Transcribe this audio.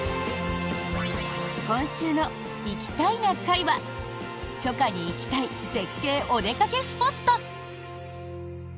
今週の「行きたいな会」は初夏に行きたい絶景お出かけスポット。